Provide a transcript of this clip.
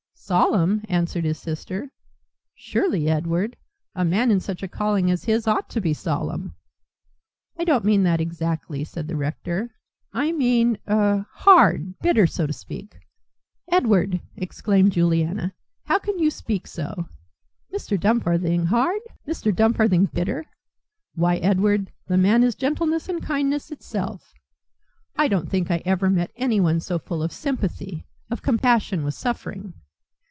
"Solemn!" answered his sister. "Surely, Edward, a man in such a calling as his ought to be solemn." "I don't mean that exactly," said the rector; "I mean er hard, bitter, so to speak." "Edward!" exclaimed Juliana, "how can you speak so. Mr. Dumfarthing hard! Mr. Dumfarthing bitter! Why, Edward, the man is gentleness and kindness itself. I don't think I ever met anyone so full of sympathy, of compassion with suffering."